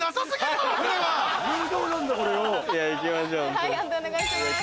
判定お願いします。